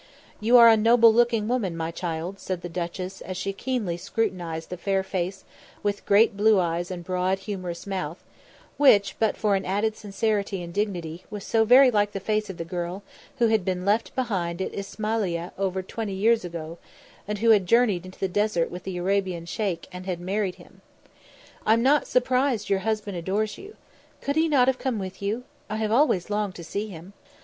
"You are a noble looking woman, my child," said the duchess, as she keenly scrutinised the fair face with great blue eyes and broad humourous mouth, which, but for an added serenity and dignity, was so very like the face of the girl who had been left behind at Ismailiah over twenty years ago, and who had journeyed into the desert with the Arabian Sheikh and had married him. "I'm not surprised your husband adores you. Could he not have come with you? I have always longed to see him."